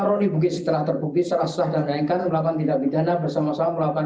roni bugis telah terbukti serasa dan meyakinkan melakukan tindak bidana bersama sama melakukan